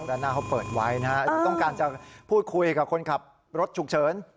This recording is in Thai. ด้านหน้าเขาเปิดไว้นะฮะเดี๋ยวต้องการจะพูดคุยกับคนขับรถฉุกเฉิน